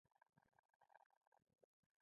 آیا خیام یو لوی ستورپیژندونکی نه و؟